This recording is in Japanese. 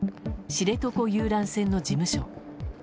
知床遊覧船の事務所。